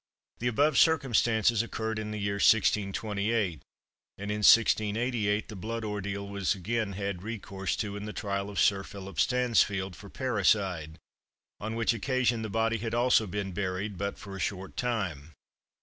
The above circumstances occurred in the year 1628, and in 1688 the blood ordeal was again had recourse to in the trial of Sir Philip Stansfield for parricide, on which occasion the body had also been buried, but for a short time.